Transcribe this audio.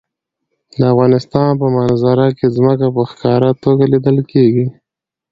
د افغانستان په منظره کې ځمکه په ښکاره توګه لیدل کېږي.